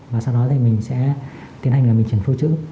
và sau đó thì mình sẽ tiến hành là mình chuyển phôi trữ